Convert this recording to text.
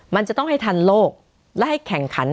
มันจะต้องให้ทันโลกและให้แข่งขัน